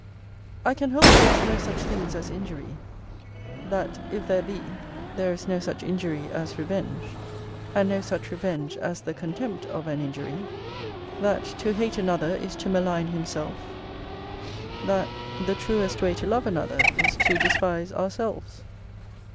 I can hold there is no such things as injury; that if there be, there is no such injury as revenge, and no such revenge as the contempt of an injury: that to hate another is to malign himself; that the truest way to love another is to despise ourselves.